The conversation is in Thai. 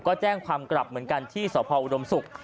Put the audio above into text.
ก็แจ้งความกลับเหมือนกันที่สพออุดมศุกร์